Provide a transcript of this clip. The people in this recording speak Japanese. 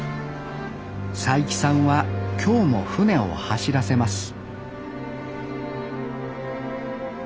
齋木さんは今日も船を走らせます